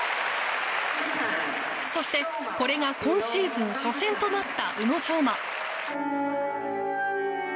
そして、これが今シーズン初戦となった宇野昌磨。